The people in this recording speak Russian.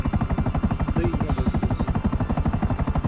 Да и небо здесь...